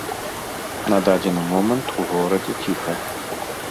На дадзены момант у горадзе ціха.